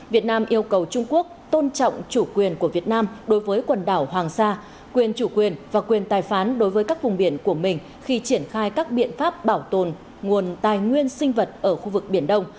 việt nam yêu cầu trung quốc tôn trọng chủ quyền của việt nam đối với quần đảo hoàng sa quyền chủ quyền và quyền tài phán đối với các vùng biển của mình khi triển khai các biện pháp bảo tồn nguồn tài nguyên sinh vật ở khu vực biển đông